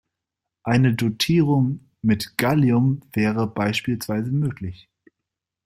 Eine Dotierung mit Gallium wäre beispielsweise möglich.